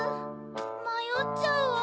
まよっちゃうわ。